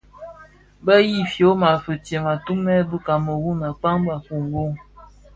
Bë bi fyoma fistem, atumèn bi Kameru a kpaň a kongo.